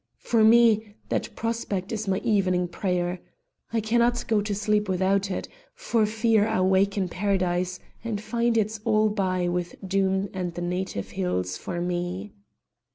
For me, that prospect is my evening prayer. I cannot go to sleep without it, for fear I wake in Paradise and find it's all by with Doom and the native hills for me."